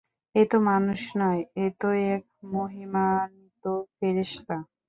এতো মানুষ নয়, এতো এক মহিমান্বিত ফেরেশতা।